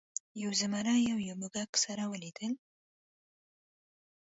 یو زمري او یو موږک سره ولیدل.